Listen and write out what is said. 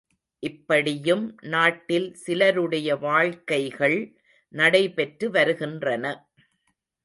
இப்படியும் நாட்டில் சிலருடைய வாழ்க்கைகள் நடைபெற்று வருகின்றன.